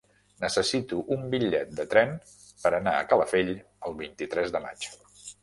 Necessito un bitllet de tren per anar a Calafell el vint-i-tres de maig.